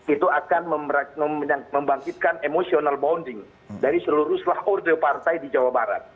itu akan membangkitkan emotional bonding dari seluruh seluruh partai di jawa barat